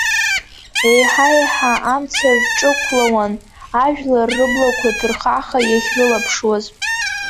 Еиҳа-еиҳа амца рҿықәлауан, ажәлар рыблақәа ҭырхаха иахьрылаԥшуаз.